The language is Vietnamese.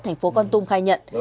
thành phố con tôm khai nhận